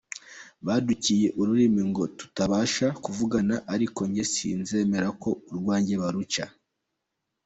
baduciye ururimi ngo tutabasha kuvugana ariko njye sinzemera ko urwanjye baruca.